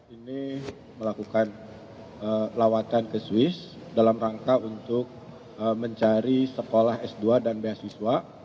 ini melakukan lawatan ke swiss dalam rangka untuk mencari sekolah s dua dan beasiswa